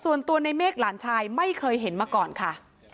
ส่วนตัวในเมฆหลานชายไม่เคยเห็นมาก่อนค่ะ